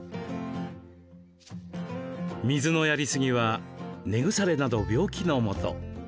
水のやりすぎは根腐れなど病気のもと。